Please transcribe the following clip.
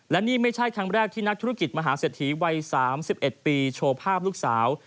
และนี่ไม่ใช่ครั้งแรกที่นักธุรกิจมหาเศรษฐีวัย๓๑ปีโชว์ภาพลูกสาว